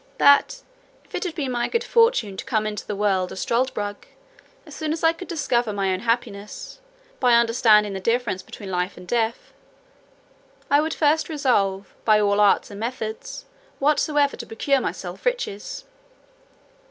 "That, if it had been my good fortune to come into the world a struldbrug, as soon as I could discover my own happiness, by understanding the difference between life and death, I would first resolve, by all arts and methods, whatsoever, to procure myself riches.